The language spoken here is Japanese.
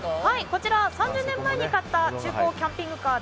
こちらは３０年前の中古キャンピングカー